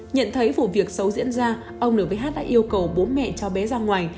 nhận thấy vụ việc xấu diễn ra ông n v h đã yêu cầu bố mẹ cho bé ra ngoài